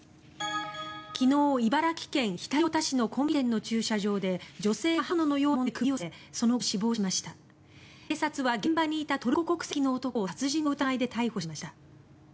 昨日、茨城県常陸太田市のコンビニ店の駐車場で女性が刃物のようなもので首を刺され警察は現場にいたトルコ国籍の男を殺人の疑いで逮捕しました。